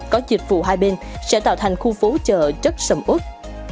có dịch vụ hai bên sẽ tạo thành khu phố chợ rất sầm út